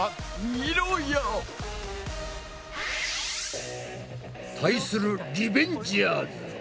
みろや！対するリベンジャーズ。